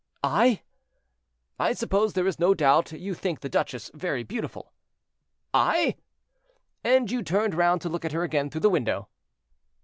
"I!" "I suppose there is no doubt you think the duchesse very beautiful?" "I!!" "And you turned round to look at her again through the window."